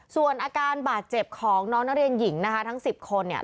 ส่วนอาการบาดเจ็บของน้องนักเรียนหญิงนะคะทั้ง๑๐คนเนี่ย